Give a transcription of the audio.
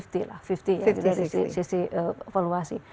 lima puluh ya dari sisi valuasi